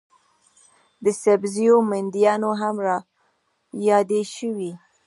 د سبزیو منډیانې هم رایادې شوې.